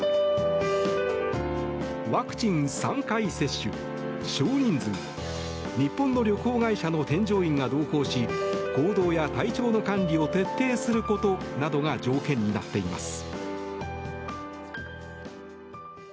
ワクチン３回接種、少人数日本の旅行会社の添乗員が同行し行動や体調の管理を徹底することなどが条件になっています。